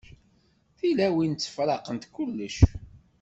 Tilawin ttefṛaqent kullec.